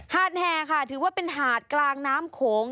แห่ค่ะถือว่าเป็นหาดกลางน้ำโขง